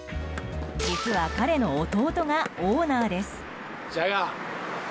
実は、彼の弟がオーナーです。